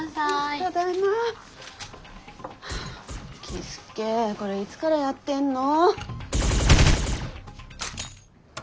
樹介これいつからやってんの。